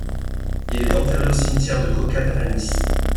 Il est enterré au cimetière de Caucade à Nice.